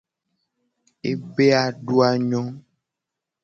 Ebe a adu a ngo.